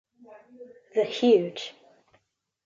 The huge.